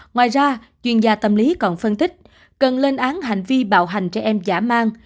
ngoài ra chuyên gia tâm lý còn phân tích cần lên án hành vi bạo hành trẻ em giả mang